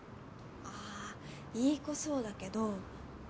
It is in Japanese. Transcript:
あいい子そうだけど。